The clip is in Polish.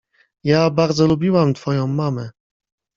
Ja bardzo lubiłam twoją mamę.